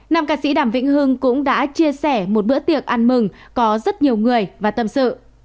nam ca sĩ đàm vĩnh hưng cũng đã chia sẻ một bữa tiệc ăn mừng có rất nhiều người và tâm sự